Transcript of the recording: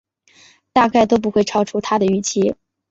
大概都不会超出他的预期